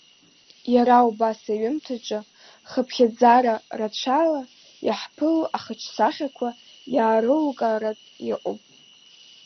Иара убас аҩымҭаҿы хыԥхьаӡара рацәала иаҳԥыло ахаҿсахьақәа иаарылукаартә иҟоуп…